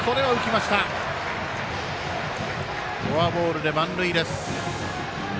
フォアボールで満塁です。